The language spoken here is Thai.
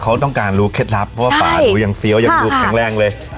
เขาต้องการรู้เคล็ดลับเพราะว่าป่าหนูยังเฟี้ยวยังดูแข็งแรงเลย